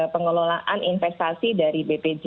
pengelolaan investasi dari